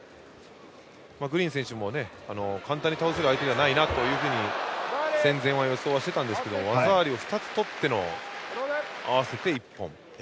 グリーン選手も簡単に倒せる相手じゃないなと戦前、予想していたんですが技ありを２つとっての合わせて一本。